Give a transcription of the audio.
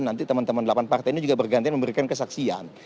nanti teman teman delapan partai ini juga bergantian memberikan kesaksian